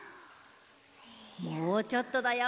もうちょっとだよ。